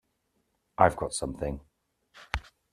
I've got something!